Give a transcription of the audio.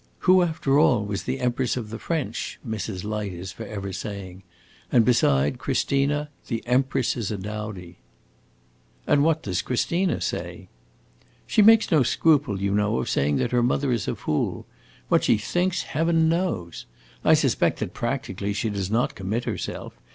'Who, after all, was the Empress of the French?' Mrs. Light is forever saying. 'And beside Christina the Empress is a dowdy!'" "And what does Christina say?" "She makes no scruple, as you know, of saying that her mother is a fool. What she thinks, heaven knows. I suspect that, practically, she does not commit herself.